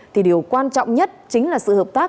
thì điều quan trọng nhất chính là sự hợp tác